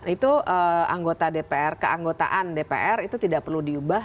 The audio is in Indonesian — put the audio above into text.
itu anggota dpr keanggotaan dpr itu tidak perlu diubah